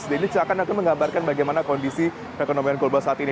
jadi ini cekan cekan menggambarkan bagaimana kondisi perekonomian global saat ini